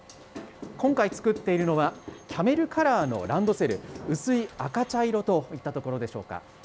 今回作っているのは、キャメルカラーのランドセル、薄い赤茶色といったところでしょうか。